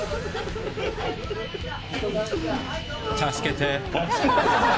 助けて。